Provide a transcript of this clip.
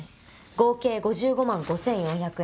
合計５５万５，４００円。